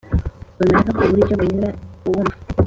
runaka ku buryo bunyura uwumva